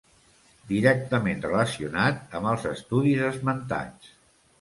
Directament relacionat amb els estudis esmentats.